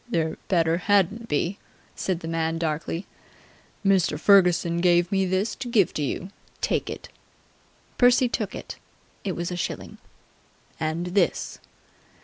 "There better hadn't be!" said the man darkly. "Mr. Ferguson give me this to give to you. Take it!" Percy took it. It was a shilling. "And this."